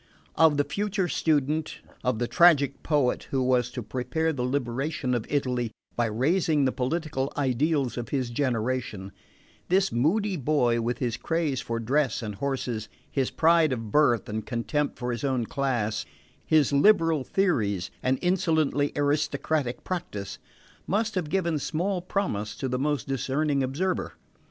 Of the future student, of the tragic poet who was to prepare the liberation of Italy by raising the political ideals of his generation, this moody boy with his craze for dress and horses, his pride of birth and contempt for his own class, his liberal theories and insolently aristocratic practice, must have given small promise to the most discerning observer.